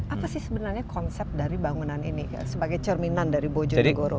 apa sih sebenarnya konsep dari bangunan ini sebagai cerminan dari bojonegoro